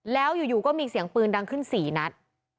แล้วอยู่ก็มีเสียงปืนดังขึ้น๔นัด